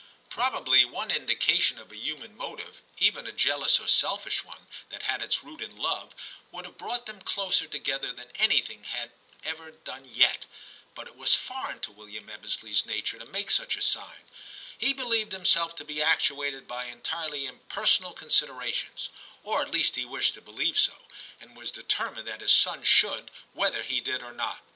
Probably one indication of a human motive, even a jealous or selfish one, that had its root in love, would have brought them closer together than anything had ever done yet, but it was foreign to William Ebbesleys nature to make such a sign ; he believed himself to be actuated by entirely impersonal considerations, or at least he wished to be lieve so, and was determined that his son should, whether he did or not.